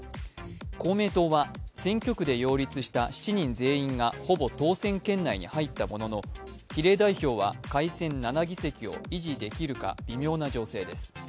公明党は、選挙区で擁立した７人全員がほぼ当選圏内に入ったものの比例代表は改選７議席を維持できるか微妙な情勢です。